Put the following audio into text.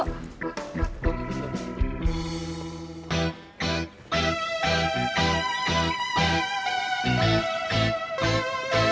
kamu pergi lagi ya